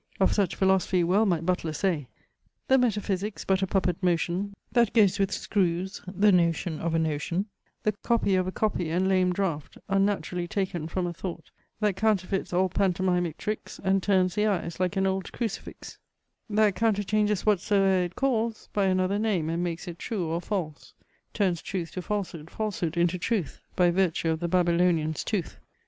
Of such philosophy well might Butler say The metaphysic's but a puppet motion That goes with screws, the notion of a notion; The copy of a copy and lame draught Unnaturally taken from a thought That counterfeits all pantomimic tricks, And turns the eyes, like an old crucifix; That counterchanges whatsoe'er it calls By another name, and makes it true or false; Turns truth to falsehood, falsehood into truth, By virtue of the Babylonian's tooth.